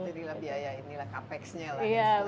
jadi biaya ini lah capex nya lah